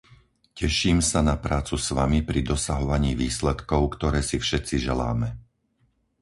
Teším sa na prácu s vami pri dosahovaní výsledkov, ktoré si všetci želáme.